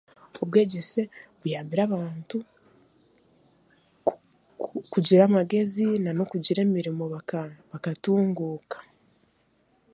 Obwegyese buyambire abantu ku kugira amagyezi, nan'okugira emirimo okatunguuka